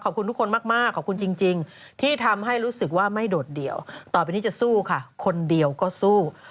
ขอบคุณทุกคนมากขอบคุณจริงที่ทำให้รู้สึกว่าไม่โดดเดี่ยวต่อไปนี้จะสู้ค่ะคนเดียวก็สู้